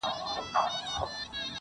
د مسافر جانان کاغذه-